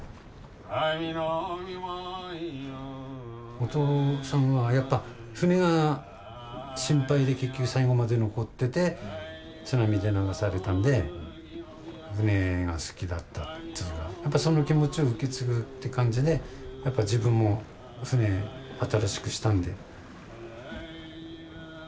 お父さんはやっぱ船が心配で結局最後まで残ってて津波で流されたので船が好きだったっていうかその気持ちを受け継ぐって感じでやっぱ自分も船新しくしたんで。